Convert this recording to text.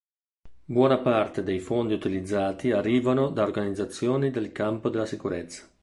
Buona parte dei fondi utilizzati arrivano da organizzazioni del campo della sicurezza.